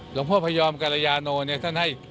หลังพ่อพระยอมการยานโอนี่ท่านให้